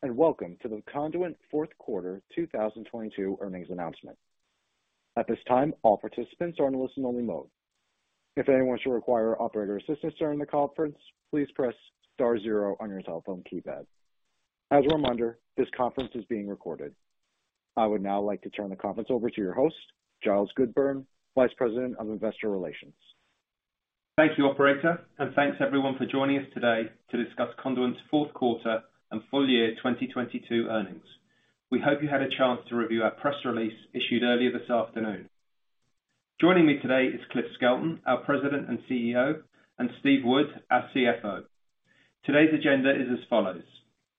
Greetings, and welcome to the Conduent fourth quarter 2022 earnings announcement. At this time, all participants are in listen only mode. If anyone should require operator assistance during the conference, please press star zero on your telephone keypad. As a reminder, this conference is being recorded. I would now like to turn the conference over to your host, Giles Goodburn, Vice President of Investor Relations. Thank you, operator, thanks everyone for joining us today to discuss Conduent's fourth quarter and full year 2022 earnings. We hope you had a chance to review our press release issued earlier this afternoon. Joining me today is Cliff Skelton, our President and CEO, Steve Wood, our CFO. Today's agenda is as follows: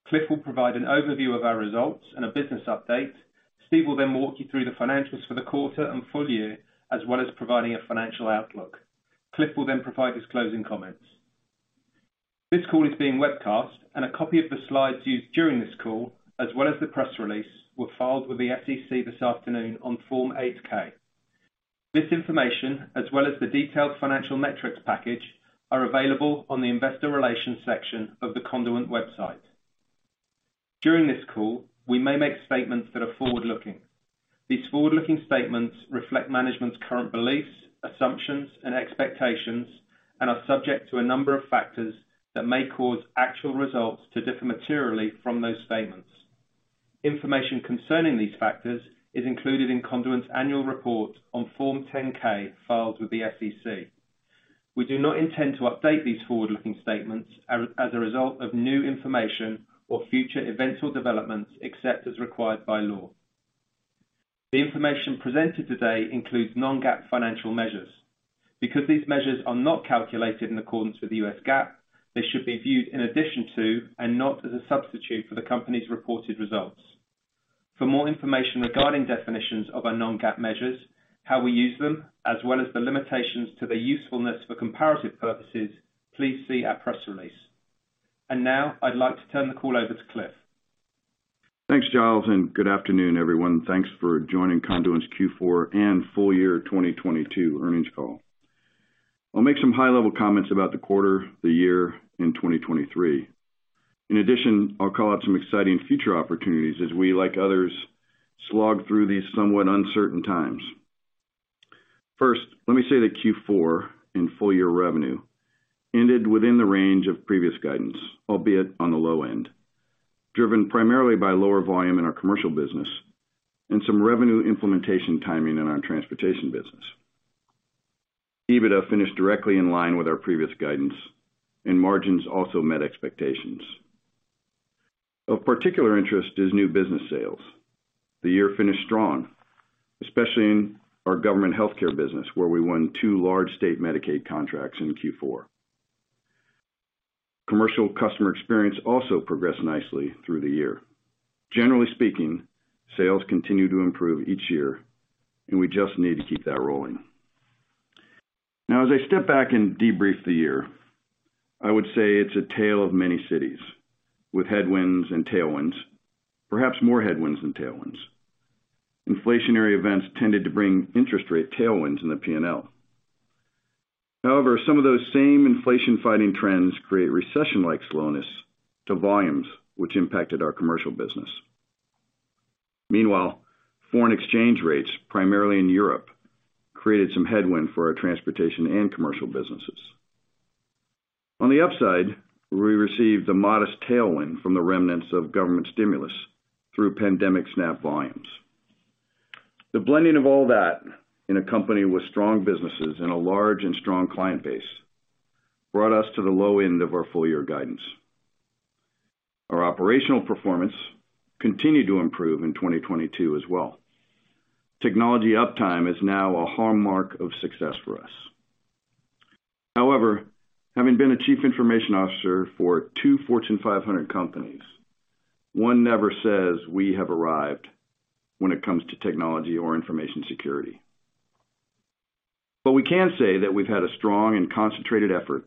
Cliff will provide an overview of our results and a business update. Steve will walk you through the financials for the quarter and full year, as well as providing a financial outlook. Cliff will provide his closing comments. This call is being webcast a copy of the slides used during this call, as well as the press release, were filed with the SEC this afternoon on Form 8-K. This information, as well as the detailed financial metrics package, are available on the investor relations section of the Conduent website. During this call, we may make statements that are forward-looking. These forward-looking statements reflect management's current beliefs, assumptions, and expectations and are subject to a number of factors that may cause actual results to differ materially from those statements. Information concerning these factors is included in Conduent's annual report on Form 10-K filed with the SEC. We do not intend to update these forward-looking statements as a result of new information or future events or developments, except as required by law. The information presented today includes non-GAAP financial measures. Because these measures are not calculated in accordance with the U.S. GAAP, they should be viewed in addition to and not as a substitute for the company's reported results. For more information regarding definitions of our non-GAAP measures, how we use them, as well as the limitations to their usefulness for comparative purposes, please see our press release. Now I'd like to turn the call over to Cliff. Thanks, Giles, and good afternoon, everyone. Thanks for joining Conduent's Q4 and full year 2022 earnings call. I'll make some high-level comments about the quarter, the year, and 2023. In addition, I'll call out some exciting future opportunities as we, like others, slog through these somewhat uncertain times. First, let me say that Q4 and full year revenue ended within the range of previous guidance, albeit on the low end, driven primarily by lower volume in our commercial business and some revenue implementation timing in our transportation business. EBITDA finished directly in line with our previous guidance, and margins also met expectations. Of particular interest is new business sales. The year finished strong, especially in our government healthcare business, where we won two large state Medicaid contracts in Q4. Commercial customer experience also progressed nicely through the year. Generally speaking, sales continue to improve each year, and we just need to keep that rolling. As I step back and debrief the year, I would say it's a tale of many cities with headwinds and tailwinds, perhaps more headwinds than tailwinds. Inflationary events tended to bring interest rate tailwinds in the P&L. Some of those same inflation-fighting trends create recession-like slowness to volumes which impacted our commercial business. Foreign exchange rates, primarily in Europe, created some headwind for our transportation and commercial businesses. On the upside, we received a modest tailwind from the remnants of government stimulus through pandemic SNAP volumes. The blending of all that in a company with strong businesses and a large and strong client base brought us to the low end of our full year guidance. Our operational performance continued to improve in 2022 as well. Technology uptime is now a hallmark of success for us. However, having been a chief information officer for two Fortune 500 companies, one never says we have arrived when it comes to technology or information security. We can say that we've had a strong and concentrated effort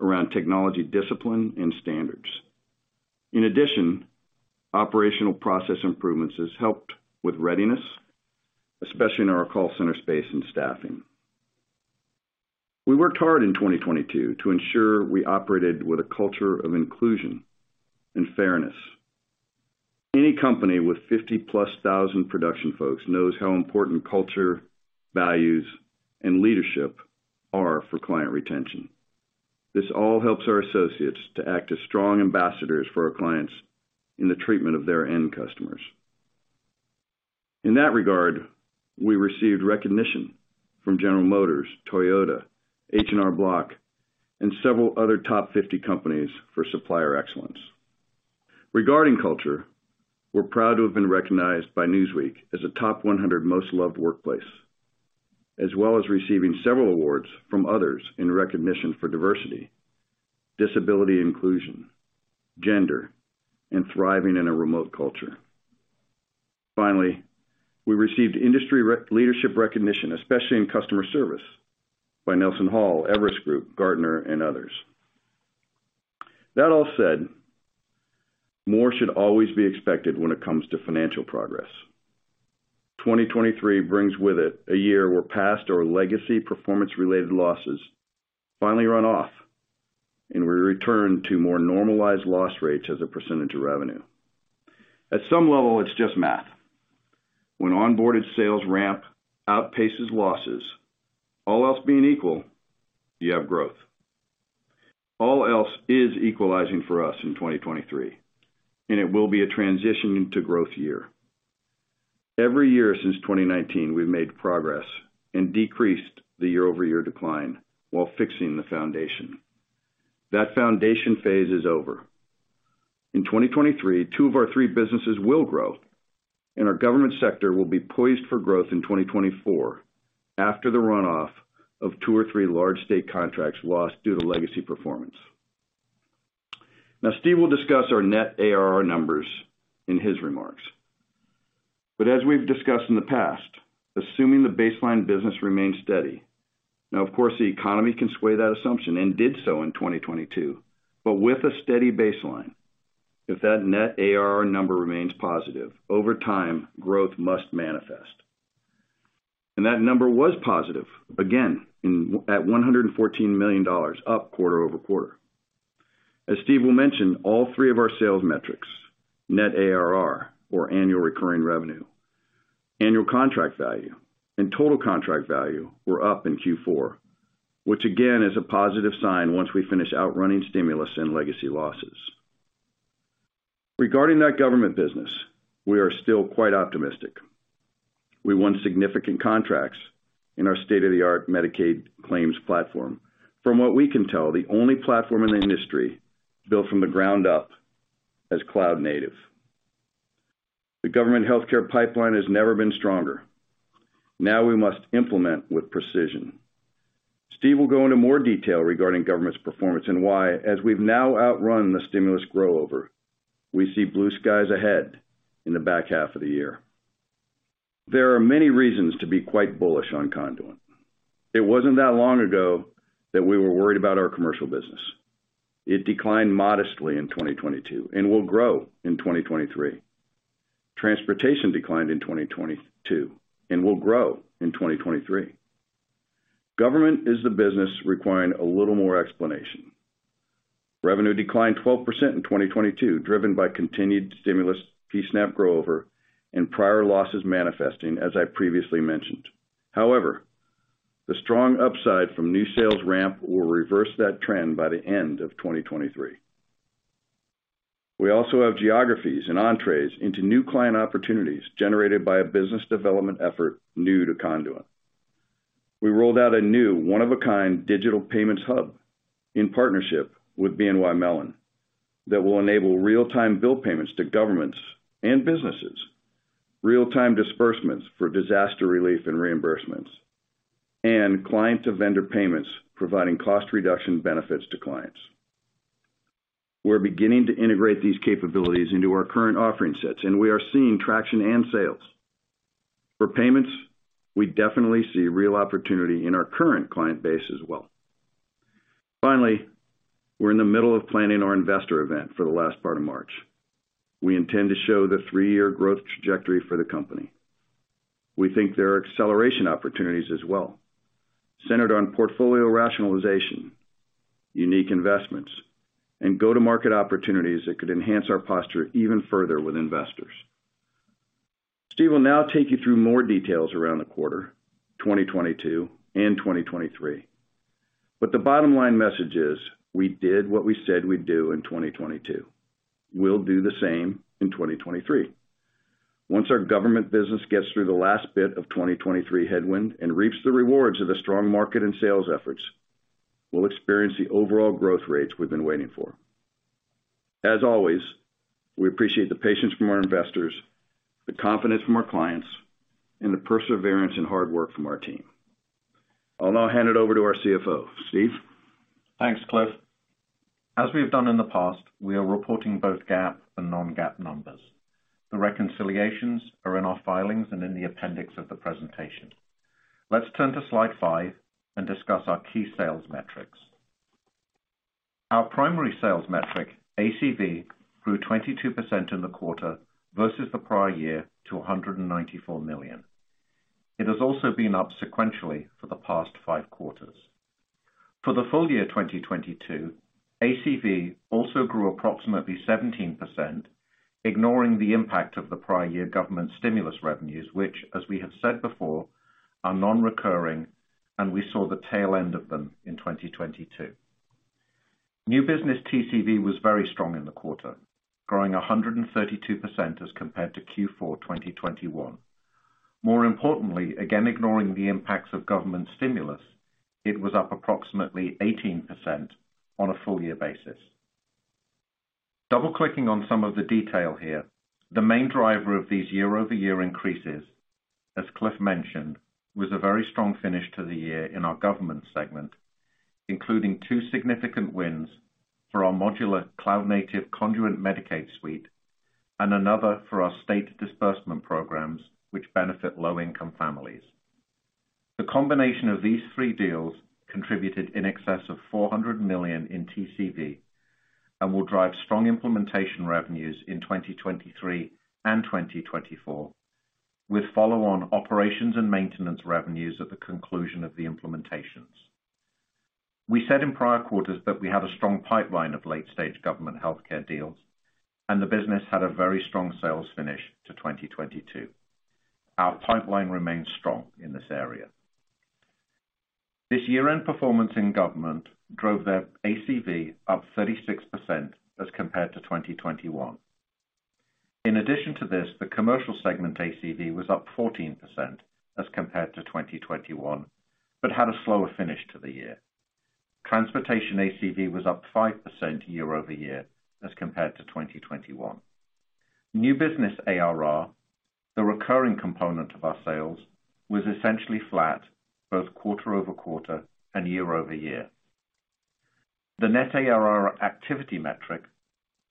around technology discipline and standards. In addition, operational process improvements has helped with readiness, especially in our call center space and staffing. We worked hard in 2022 to ensure we operated with a culture of inclusion and fairness. Any company with 50+ thousand production folks knows how important culture, values, and leadership are for client retention. This all helps our associates to act as strong ambassadors for our clients in the treatment of their end customers. In that regard, we received recognition from General Motors, Toyota, H&R Block, and several other top 50 companies for supplier excellence. Regarding culture, we're proud to have been recognized by Newsweek as a top 100 most loved workplace, as well as receiving several awards from others in recognition for diversity, disability inclusion, gender, and thriving in a remote culture. Finally, we received industry leadership recognition, especially in customer service, by NelsonHall, Everest Group, Gartner, and others. That all said, more should always be expected when it comes to financial progress. 2023 brings with it a year where past or legacy performance-related losses finally run off, and we return to more normalized loss rates as a percentage of revenue. At some level, it's just math. When onboarded sales ramp outpaces losses, all else being equal, you have growth. All else is equalizing for us in 2023, and it will be a transition into growth year. Every year since 2019, we've made progress and decreased the year-over-year decline while fixing the foundation. That foundation phase is over. In 2023, two of our three businesses will grow, and our government sector will be poised for growth in 2024 after the runoff of two or three large state contracts lost due to legacy performance. Steve will discuss our net ARR numbers in his remarks. As we've discussed in the past, assuming the baseline business remains steady, now of course, the economy can sway that assumption and did so in 2022. With a steady baseline, if that net ARR number remains positive, over time, growth must manifest. That number was positive again in, at $114 million, up quarter-over-quarter. As Steve will mention, all three of our sales metrics, net ARR or annual recurring revenue, annual contract value, and total contract value were up in Q4, which again is a positive sign once we finish outrunning stimulus and legacy losses. Regarding that government business, we are still quite optimistic. We won significant contracts in our state-of-the-art Medicaid claims platform. From what we can tell, the only platform in the industry built from the ground up as cloud-native. The government healthcare pipeline has never been stronger. We must implement with precision. Steve will go into more detail regarding government's performance and why, as we've now outrun the stimulus grow-over, we see blue skies ahead in the back half of the year. There are many reasons to be quite bullish on Conduent. It wasn't that long ago that we were worried about our commercial business. It declined modestly in 2022 and will grow in 2023. Transportation declined in 2022 and will grow in 2023. Government is the business requiring a little more explanation. Revenue declined 12% in 2022, driven by continued stimulus PSNAP grow-over and prior losses manifesting, as I previously mentioned. The strong upside from new sales ramp will reverse that trend by the end of 2023. We also have geographies and entrées into new client opportunities generated by a business development effort new to Conduent. We rolled out a new one-of-a-kind Digital Payments Hub in partnership with BNY Mellon that will enable real-time bill payments to governments and businesses, real-time disbursements for disaster relief and reimbursements, and client-to-vendor payments, providing cost reduction benefits to clients. We're beginning to integrate these capabilities into our current offering sets. We are seeing traction and sales. For payments, we definitely see real opportunity in our current client base as well. Finally, we're in the middle of planning our investor event for the last part of March. We intend to show the three-year growth trajectory for the company. We think there are acceleration opportunities as well, centered on portfolio rationalization, unique investments, and go-to-market opportunities that could enhance our posture even further with investors. Steve will now take you through more details around the quarter, 2022 and 2023. The bottom line message is we did what we said we'd do in 2022. We'll do the same in 2023. Once our government business gets through the last bit of 2023 headwind and reaps the rewards of the strong market and sales efforts, we'll experience the overall growth rates we've been waiting for. As always, we appreciate the patience from our investors, the confidence from our clients, and the perseverance and hard work from our team. I'll now hand it over to our CFO. Steve? Thanks, Cliff. As we have done in the past, we are reporting both GAAP and non-GAAP numbers. The reconciliations are in our filings and in the appendix of the presentation. Let's turn to slide 5 and discuss our key sales metrics. Our primary sales metric, ACV, grew 22% in the quarter versus the prior year to $194 million. It has also been up sequentially for the past five quarters. For the full year 2022, ACV also grew approximately 17%, ignoring the impact of the prior year government stimulus revenues, which, as we have said before, are non-recurring, and we saw the tail end of them in 2022. New business TCV was very strong in the quarter, growing 132% as compared to Q4 2021. More importantly, again ignoring the impacts of government stimulus, it was up approximately 18% on a full year basis. Double-clicking on some of the detail here, the main driver of these year-over-year increases, as Cliff mentioned, was a very strong finish to the year in our government segment, including two significant wins for our modular cloud-native Conduent Medicaid Suite and another for our state disbursement programs which benefit low-income families. The combination of these three deals contributed in excess of $400 million in TCV and will drive strong implementation revenues in 2023 and 2024, with follow-on operations and maintenance revenues at the conclusion of the implementations. We said in prior quarters that we have a strong pipeline of late-stage government healthcare deals, and the business had a very strong sales finish to 2022. Our pipeline remains strong in this area. This year-end performance in government drove their ACV up 36% as compared to 2021. In addition to this, the commercial segment ACV was up 14% as compared to 2021, but had a slower finish to the year. Transportation ACV was up 5% year-over-year as compared to 2021. New business ARR, the recurring component of our sales, was essentially flat both quarter-over-quarter and year-over-year. The net ARR activity metric,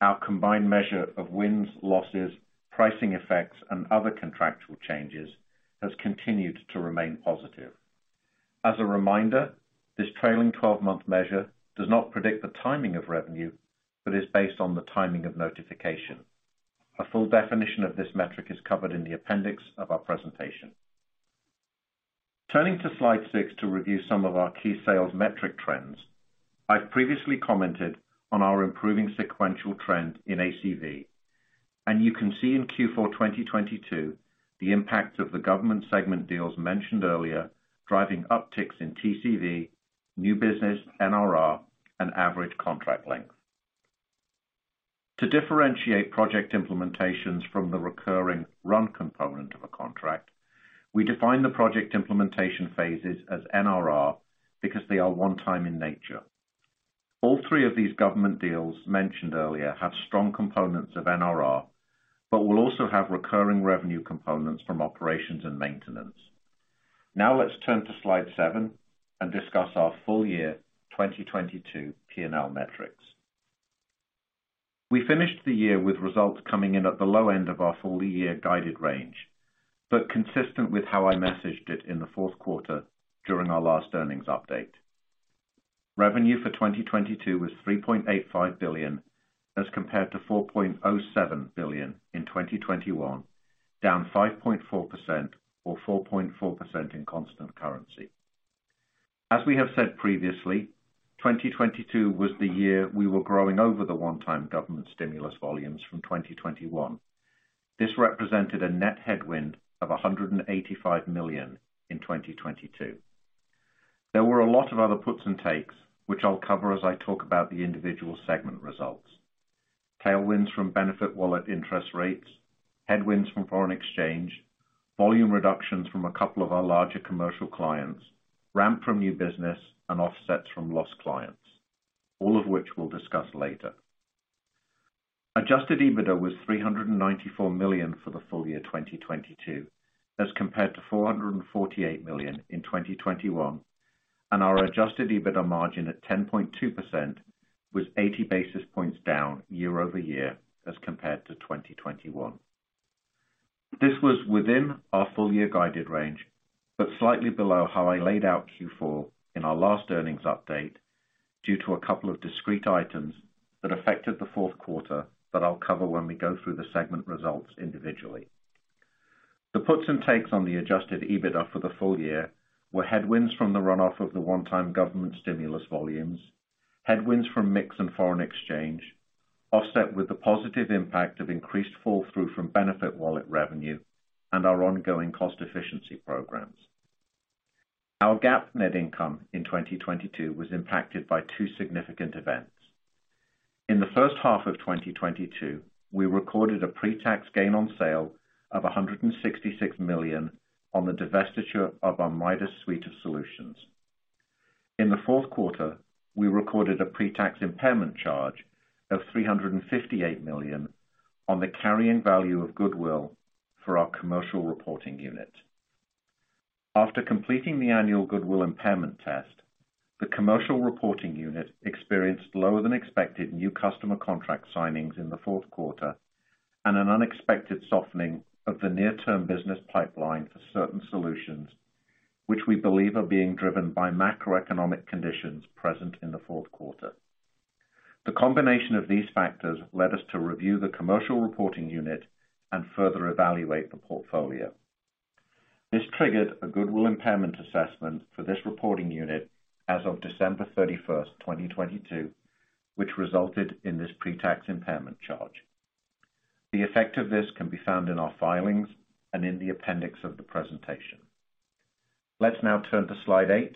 our combined measure of wins, losses, pricing effects, and other contractual changes, has continued to remain positive. As a reminder, this trailing twelve-month measure does not predict the timing of revenue, but is based on the timing of notification. A full definition of this metric is covered in the appendix of our presentation. Turning to slide six to review some of our key sales metric trends, I've previously commented on our improving sequential trend in ACV, and you can see in Q4 2022 the impact of the government segment deals mentioned earlier, driving upticks in TCV, new business NRR, and average contract length. To differentiate project implementations from the recurring run component of a contract, we define the project implementation phases as NRR because they are one-time in nature. All three of these government deals mentioned earlier have strong components of NRR, but will also have recurring revenue components from operations and maintenance. Now let's turn to slide seven and discuss our full year 2022 P&L metrics. We finished the year with results coming in at the low end of our full year guided range, but consistent with how I messaged it in the fourth quarter during our last earnings update. Revenue for 2022 was $3.85 billion as compared to $4.07 billion in 2021, down 5.4% or 4.4% in constant currency. As we have said previously, 2022 was the year we were growing over the one-time government stimulus volumes from 2021. This represented a net headwind of $185 million in 2022. There were a lot of other puts and takes, which I'll cover as I talk about the individual segment results. Tailwinds from BenefitWallet interest rates, headwinds from foreign exchange, volume reductions from a couple of our larger commercial clients, ramp from new business, and offsets from lost clients, all of which we'll discuss later. Adjusted EBITDA was $394 million for the full year 2022, as compared to $448 million in 2021. Our Adjusted EBITDA margin at 10.2% was 80 basis points down year-over-year as compared to 2021. This was within our full year guided range, but slightly below how I laid out Q4 in our last earnings update due to a couple of discrete items that affected the fourth quarter that I'll cover when we go through the segment results individually. The puts and takes on the Adjusted EBITDA for the full year were headwinds from the runoff of the one-time government stimulus volumes, headwinds from mix and foreign exchange, offset with the positive impact of increased fall through from BenefitWallet revenue and our ongoing cost efficiency programs. Our GAAP net income in 2022 was impacted by two significant events. In the first half of 2022, we recorded a pre-tax gain on sale of $166 million on the divestiture of our Midas Suite of Solutions. In the fourth quarter, we recorded a pre-tax impairment charge of $358 million on the carrying value of goodwill for our commercial reporting unit. After completing the annual goodwill impairment test, the commercial reporting unit experienced lower than expected new customer contract signings in the fourth quarter and an unexpected softening of the near-term business pipeline for certain solutions which we believe are being driven by macroeconomic conditions present in the fourth quarter. The combination of these factors led us to review the commercial reporting unit and further evaluate the portfolio. This triggered a goodwill impairment assessment for this reporting unit as of December 31, 2022, which resulted in this pre-tax impairment charge. The effect of this can be found in our filings and in the appendix of the presentation. Let's now turn to slide 8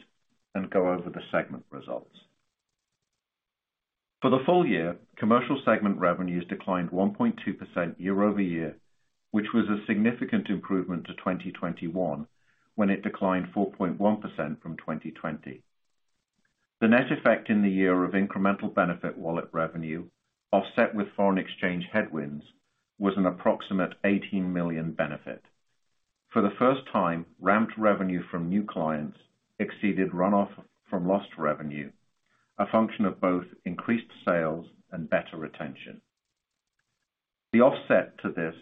and go over the segment results. For the full year, commercial segment revenues declined 1.2% year-over-year, which was a significant improvement to 2021 when it declined 4.1% from 2020. The net effect in the year of incremental BenefitWallet revenue offset with foreign exchange headwinds was an approximate $18 million benefit. For the first time, ramped revenue from new clients exceeded runoff from lost revenue, a function of both increased sales and better retention. The offset to this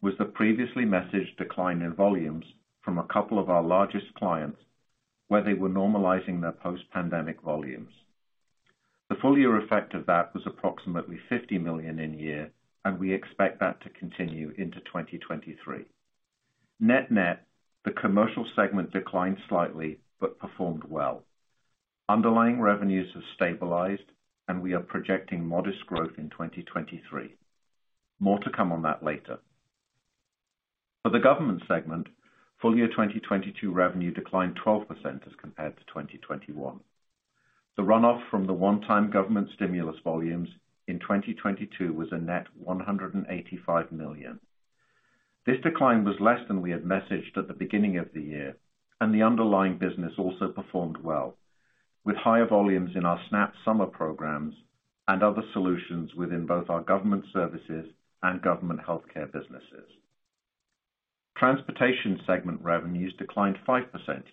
was the previously messaged decline in volumes from a couple of our largest clients, where they were normalizing their post-pandemic volumes. The full year effect of that was approximately $50 million in year, and we expect that to continue into 2023. Net net, the commercial segment declined slightly but performed well. Underlying revenues have stabilized and we are projecting modest growth in 2023. More to come on that later. For the government segment, full year 2022 revenue declined 12% as compared to 2021. The runoff from the one-time government stimulus volumes in 2022 was a net $185 million. This decline was less than we had messaged at the beginning of the year, and the underlying business also performed well with higher volumes in our SNAP summer programs and other solutions within both our government services and government healthcare businesses. Transportation segment revenues declined 5%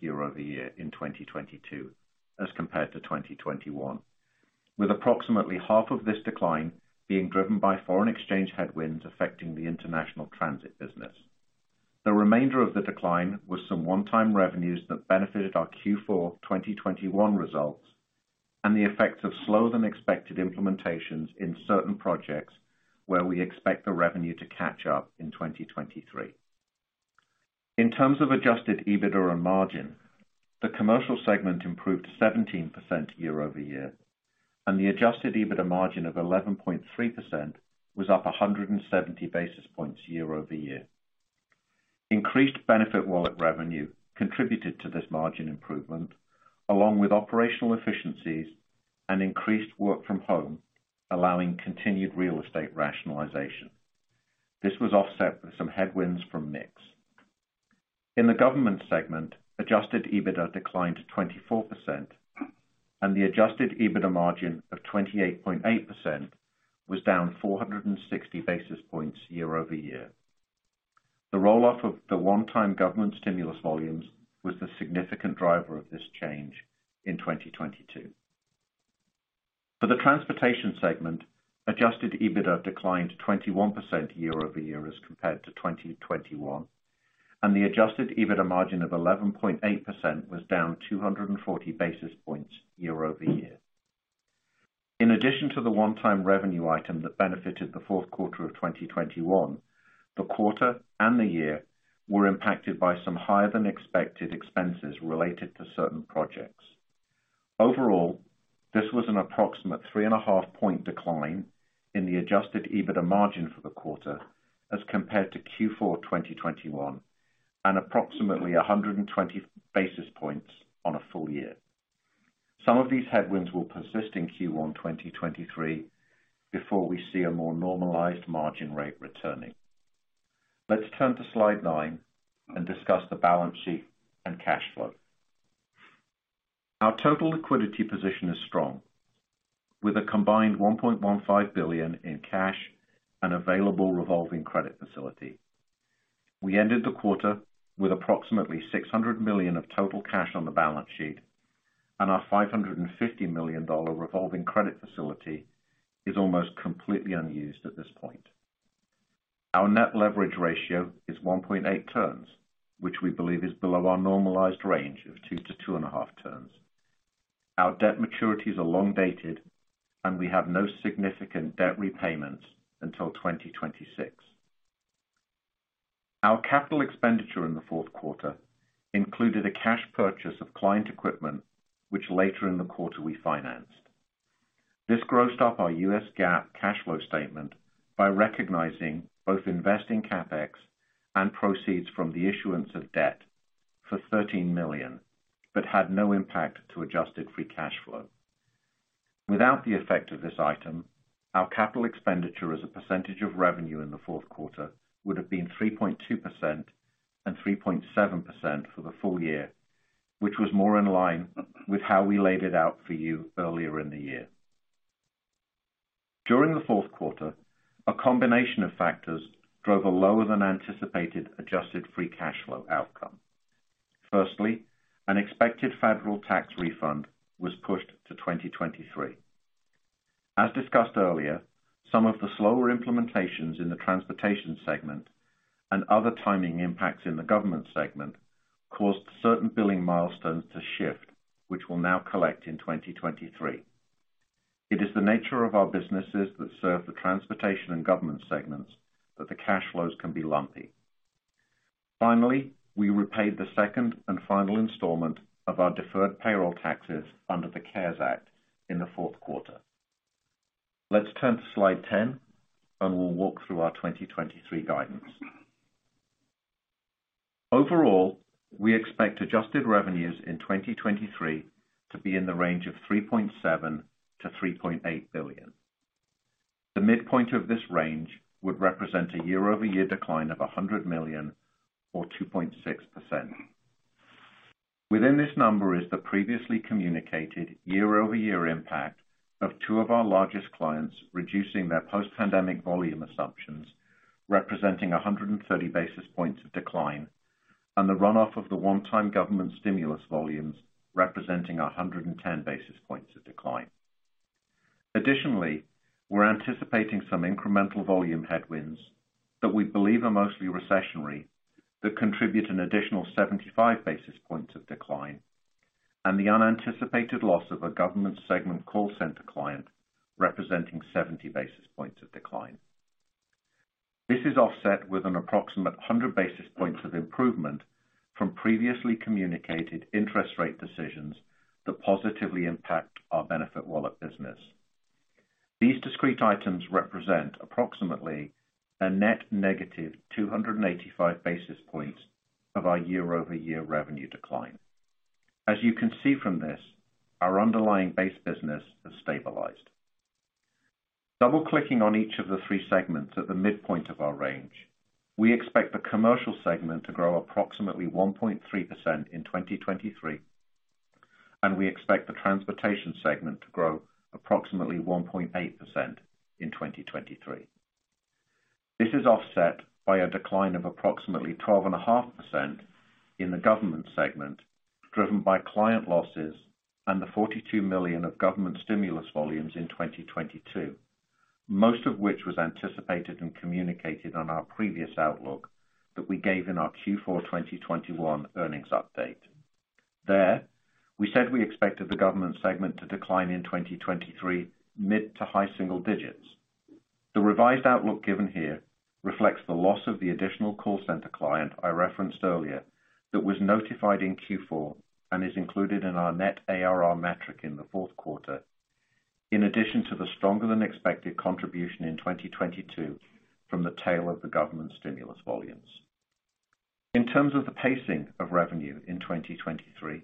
year-over-year in 2022 as compared to 2021, with approximately half of this decline being driven by foreign exchange headwinds affecting the international transit business. The remainder of the decline was some one-time revenues that benefited our Q4 2021 results and the effects of slower than expected implementations in certain projects where we expect the revenue to catch up in 2023. In terms of Adjusted EBITDA margin, the commercial segment improved 17% year-over-year, and the Adjusted EBITDA margin of 11.3% was up 170 basis points year-over-year. Increased BenefitWallet revenue contributed to this margin improvement, along with operational efficiencies and increased work from home, allowing continued real estate rationalization. This was offset with some headwinds from mix. In the government segment, Adjusted EBITDA declined 24% and the Adjusted EBITDA margin of 28.8% was down 460 basis points year-over-year. The roll off of the one-time government stimulus volumes was the significant driver of this change in 2022. For the transportation segment, Adjusted EBITDA declined 21% year-over-year as compared to 2021, and the Adjusted EBITDA margin of 11.8% was down 240 basis points year-over-year. In addition to the one time revenue item that benefited the fourth quarter of 2021, the quarter and the year were impacted by some higher than expected expenses related to certain projects. Overall, this was an approximate 3.5 point decline in the Adjusted EBITDA margin for the quarter as compared to Q4 2021 and approximately 120 basis points on a full year. Some of these headwinds will persist in Q1 2023 before we see a more normalized margin rate returning. Let's turn to slide 9 and discuss the balance sheet and cash flow. Our total liquidity position is strong, with a combined $1.15 billion in cash and available revolving credit facility. We ended the quarter with approximately $600 million of total cash on the balance sheet, and our $550 million revolving credit facility is almost completely unused at this point. Our net leverage ratio is 1.8 turns, which we believe is below our normalized range of 2-2.5 turns. Our debt maturities are long dated and we have no significant debt repayments until 2026. Our capital expenditure in the fourth quarter included a cash purchase of client equipment which later in the quarter we financed. This grossed up our U.S. GAAP cash flow statement by recognizing both investing CapEx and proceeds from the issuance of debt for $13 million, but had no impact to Adjusted Free Cash Flow. Without the effect of this item, our capital expenditure as a percentage of revenue in the fourth quarter would have been 3.2% and 3.7% for the full year, which was more in line with how we laid it out for you earlier in the year. During the fourth quarter, a combination of factors drove a lower than anticipated Adjusted Free Cash Flow outcome. Firstly, an expected federal tax refund was pushed to 2023. As discussed earlier, some of the slower implementations in the transportation segment and other timing impacts in the government segment caused certain billing milestones to shift which will now collect in 2023. It is the nature of our businesses that serve the transportation and government segments that the cash flows can be lumpy. We repaid the second and final installment of our deferred payroll taxes under the CARES Act in the fourth quarter. Let's turn to slide 10 and we'll walk through our 2023 guidance. We expect adjusted revenues in 2023 to be in the range of $3.7 billion-$3.8 billion. The midpoint of this range would represent a year-over-year decline of $100 million or 2.6%. Within this number is the previously communicated year-over-year impact of two of our largest clients reducing their post-pandemic volume assumptions, representing 130 basis points of decline. The run-off of the one-time government stimulus volumes representing 110 basis points of decline. Additionally, we're anticipating some incremental volume headwinds that we believe are mostly recessionary, that contribute an additional 75 basis points of decline, and the unanticipated loss of a government segment call center client representing 70 basis points of decline. This is offset with an approximate 100 basis points of improvement from previously communicated interest rate decisions that positively impact our BenefitWallet business. These discrete items represent approximately a net negative 285 basis points of our year-over-year revenue decline. As you can see from this, our underlying base business has stabilized. Double-clicking on each of the three segments at the midpoint of our range, we expect the commercial segment to grow approximately 1.3% in 2023, and we expect the transportation segment to grow approximately 1.8% in 2023. This is offset by a decline of approximately 12.5% in the government segment, driven by client losses and the $42 million of government stimulus volumes in 2022, most of which was anticipated and communicated on our previous outlook that we gave in our Q4 2021 earnings update. There, we said we expected the government segment to decline in 2023 mid to high single digits. The revised outlook given here reflects the loss of the additional call center client I referenced earlier that was notified in Q4 and is included in our net ARR metric in the fourth quarter, in addition to the stronger than expected contribution in 2022 from the tail of the government stimulus volumes. In terms of the pacing of revenue in 2023,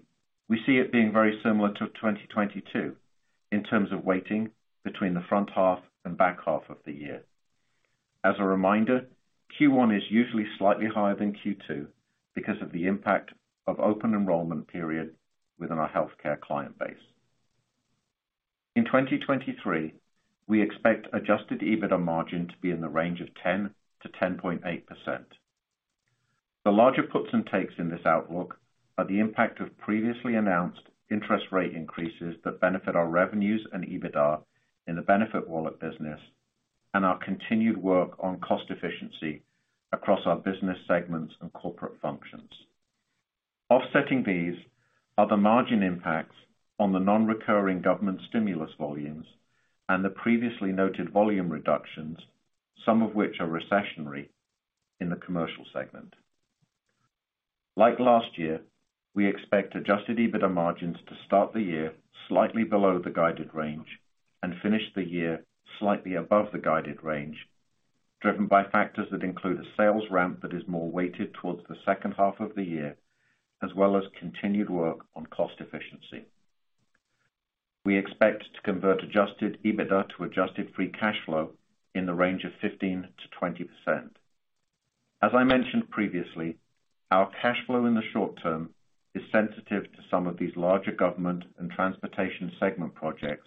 we see it being very similar to 2022 in terms of weighting between the front half and back half of the year. As a reminder, Q1 is usually slightly higher than Q2 because of the impact of open enrollment period within our healthcare client base. In 2023, we expect Adjusted EBITDA margin to be in the range of 10%-10.8%. The larger puts and takes in this outlook are the impact of previously announced interest rate increases that benefit our revenues and EBITDA in the BenefitWallet business and our continued work on cost efficiency across our business segments and corporate functions. Offsetting these are the margin impacts on the non-recurring government stimulus volumes and the previously noted volume reductions, some of which are recessionary in the commercial segment. Like last year, we expect Adjusted EBITDA margins to start the year slightly below the guided range and finish the year slightly above the guided range, driven by factors that include a sales ramp that is more weighted towards the second half of the year, as well as continued work on cost efficiency. We expect to convert Adjusted EBITDA to Adjusted Free Cash Flow in the range of 15%-20%. As I mentioned previously, our cash flow in the short term is sensitive to some of these larger government and transportation segment projects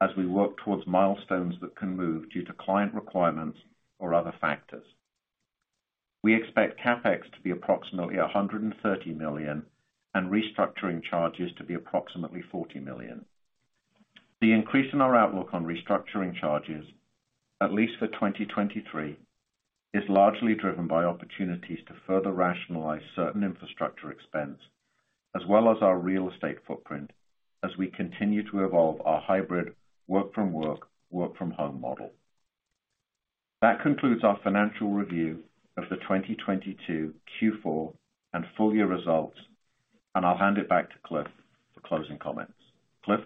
as we work towards milestones that can move due to client requirements or other factors. We expect CapEx to be approximately $130 million and restructuring charges to be approximately $40 million. The increase in our outlook on restructuring charges, at least for 2023, is largely driven by opportunities to further rationalize certain infrastructure expense as well as our real estate footprint as we continue to evolve our hybrid work from work from home model. That concludes our financial review of the 2022 Q4 and full year results. I'll hand it back to Cliff for closing comments. Cliff?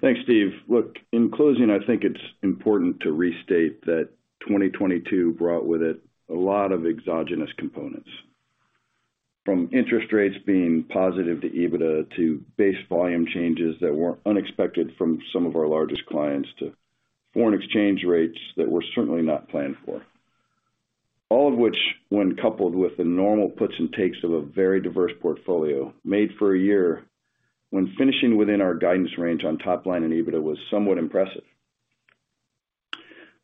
Thanks, Steve. Look, in closing, I think it's important to restate that 2022 brought with it a lot of exogenous components, from interest rates being positive to EBITDA, to base volume changes that were unexpected from some of our largest clients, to foreign exchange rates that were certainly not planned for. All of which, when coupled with the normal puts and takes of a very diverse portfolio, made for a year when finishing within our guidance range on top line and EBITDA was somewhat impressive.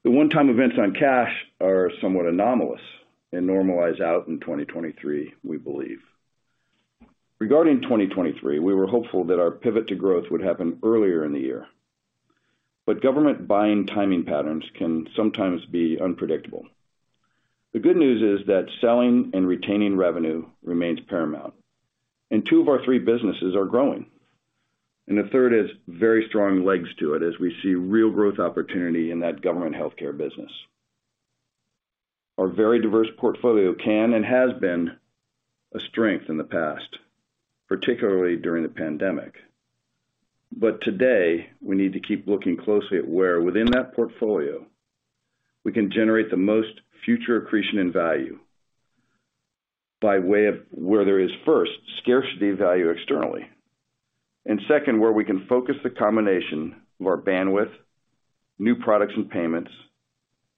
The one-time events on cash are somewhat anomalous and normalize out in 2023, we believe. Regarding 2023, we were hopeful that our pivot to growth would happen earlier in the year, but government buying timing patterns can sometimes be unpredictable. The good news is that selling and retaining revenue remains paramount, and two of our three businesses are growing, and the third has very strong legs to it as we see real growth opportunity in that government healthcare business. Our very diverse portfolio can and has been a strength in the past, particularly during the pandemic. Today, we need to keep looking closely at where within that portfolio we can generate the most future accretion and value by way of where there is, first, scarcity value externally. Second, where we can focus the combination of our bandwidth, new products and payments,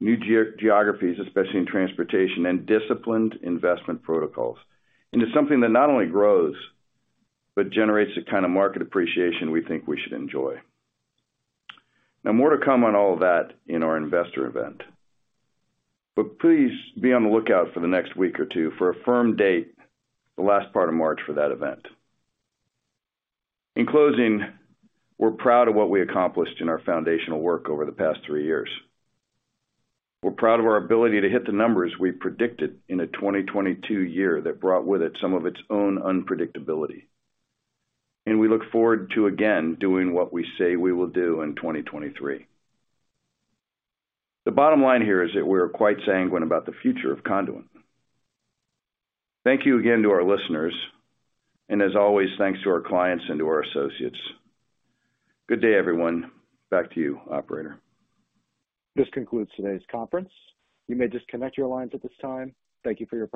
new geographies, especially in transportation and disciplined investment protocols, into something that not only grows, but generates the kind of market appreciation we think we should enjoy. Now, more to come on all of that in our investor event. Please be on the lookout for the next week or two for a firm date the last part of March for that event. In closing, we're proud of what we accomplished in our foundational work over the past three years. We're proud of our ability to hit the numbers we predicted in a 2022 year that brought with it some of its own unpredictability. We look forward to again doing what we say we will do in 2023. The bottom line here is that we're quite sanguine about the future of Conduent. Thank you again to our listeners, and as always, thanks to our clients and to our associates. Good day, everyone. Back to you, operator. This concludes today's conference. You may disconnect your lines at this time. Thank you for your participation.